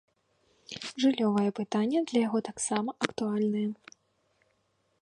Жыллёвае пытанне для яго таксама актуальнае.